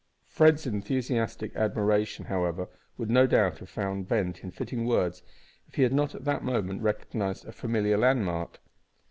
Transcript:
Fred's enthusiastic admiration, however, would no doubt have found vent in fitting words if he had not at the moment recognised a familiar landmark.